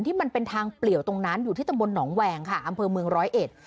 ตรงบนทางเปลี่ยวของทนนั้นอยู่ที่ตะบนหนองแหวงอำเภอเมืองร้อย๑